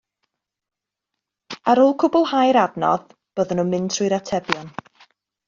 Ar ôl cwblhau'r adnodd, byddwn yn mynd trwy'r atebion